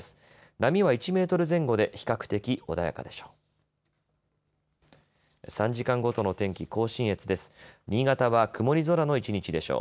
波は１メートル前後で比較的穏やかでしょう。